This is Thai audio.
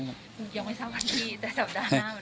ยังไม่ทราบวันที่แต่สัปดาห์หน้า